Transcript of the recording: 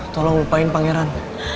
tolong lupain pangeran